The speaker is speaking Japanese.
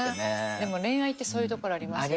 でも恋愛ってそういうところありますよね。